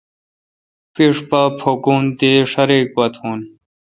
پِِݭ پا پھکون تے ݭا ریک پا تھون۔